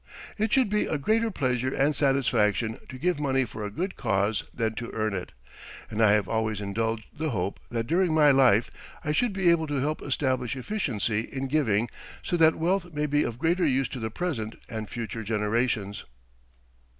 It should be a greater pleasure and satisfaction to give money for a good cause than to earn it, and I have always indulged the hope that during my life I should be able to help establish efficiency in giving so that wealth may be of greater use to the present and future generations.